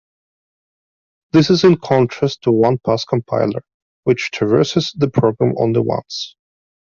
This is in contrast to a one-pass compiler, which traverses the program only once.